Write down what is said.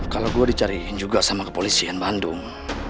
kalau gue dicariin juga sama kepolisian bandung